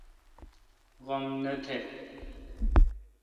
غم نہ تہ۔